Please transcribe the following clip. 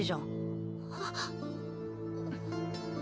あっ。